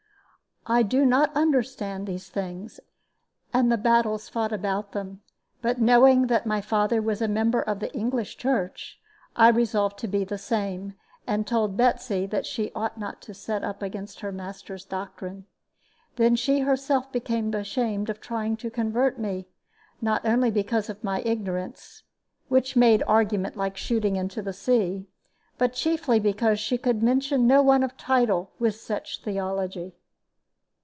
I do not understand these things, and the battles fought about them; but knowing that my father was a member of the English Church, I resolved to be the same, and told Betsy that she ought not to set up against her master's doctrine. Then she herself became ashamed of trying to convert me, not only because of my ignorance (which made argument like shooting into the sea), but chiefly because she could mention no one of title with such theology.